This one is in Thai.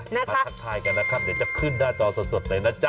มาทักทายกันนะครับเดี๋ยวจะขึ้นหน้าจอสดเลยนะจ๊